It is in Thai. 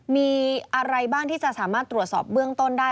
มีอะไรบ้างที่จะสามารถตรวจสอบเบื้องต้นได้